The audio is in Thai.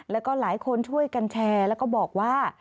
แล้วก็หลายคนช่วยกันแชร์แล้วก็บอกว่า